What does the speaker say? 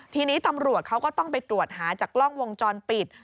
ทีนี้ตำรวจเขาก็ต้องไปตรวจหาจากกล้องวงจรปิด